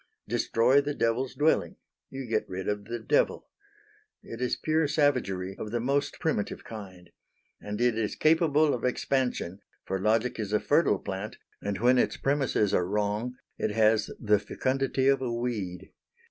Destroy the devil's dwelling. You get rid of the devil. It is pure savagery of the most primitive kind. And it is capable of expansion, for logic is a fertile plant, and when its premises are wrong it has the fecundity of a weed.